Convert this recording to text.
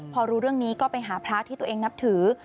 พอรู้เรื่องนี้ก็ไปหาพระที่ตัวเองนับถือ